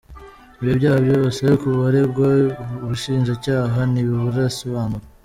Ibi byaha byose ku baregwa ubushinjacyaha ntiburabisobanura.